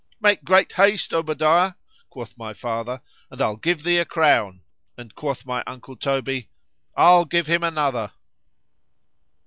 ——Make great haste, Obadiah, quoth my father, and I'll give thee a crown! and quoth my uncle Toby, I'll give him another.